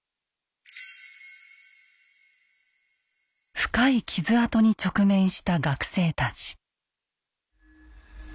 深い傷痕に直面した学生たち。